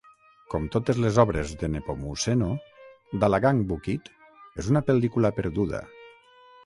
Com totes les obres de Nepomuceno, "Dalagang Bukid" és una pel·lícula perduda.